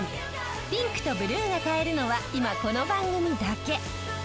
ピンクとブルーが買えるのは今この番組だけ！